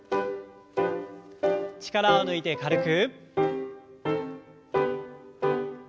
力を抜いて軽く。